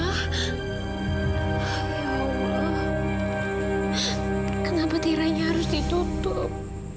ya allah kenapa tiranya harus ditutup